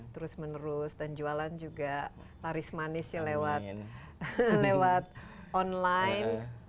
terus menerus dan jualan juga laris manis ya lewat online